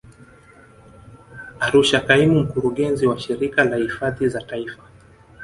Arusha Kaimu Mkurugenzi wa Shirika la hifadhi za Taifa